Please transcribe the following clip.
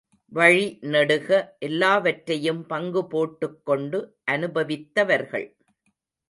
வழிநெடுக எல்லாவற்றையும் பங்கு போட்டுக்கொண்டு அனுபவித்தவர்கள்.